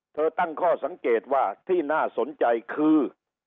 ตั้งข้อสังเกตว่าที่น่าสนใจคือ